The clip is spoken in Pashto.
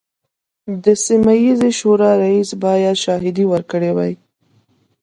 د سیمه ییزې شورا رییس باید شاهدې ورکړي وای.